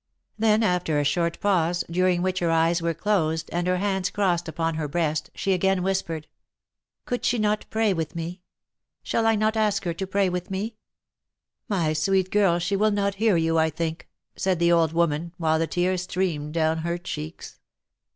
Then after a short pause, during which her eyes were closed, and her hands crossed upon her breast, she again whispered, " Could she not pray with me ? Shall I not ask her to pray with me V " My sweet girl, she will not hear you, I think," said the old woman, while the tears streamed down her cheeks.